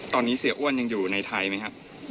ตอนนี้เสียอ้วนยังอยู่ในไทยไหมครับ